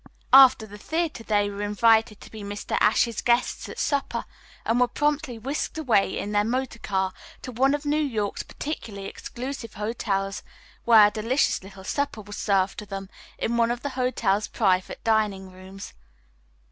After the theatre they were invited to be Mr. Ashe's guests at supper, and were promptly whisked away in their motor car to one of New York's particularly exclusive hotels, where a delicious little supper was served to them in one of the hotel's private dining rooms.